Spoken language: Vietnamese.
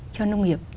cho nông nghiệp